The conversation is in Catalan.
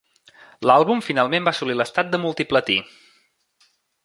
L'àlbum finalment va assolir l'estat de multiplatí.